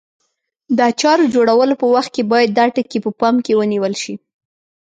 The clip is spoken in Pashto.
د اچارو جوړولو په وخت کې باید دا ټکي په پام کې ونیول شي.